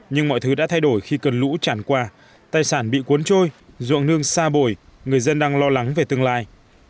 nhưng mọi thứ đã thay đổi khi cơn lũ chản qua tài sản bị cuốn trôi ruộng nương xa bồi người dân đang lo lắng về tương lai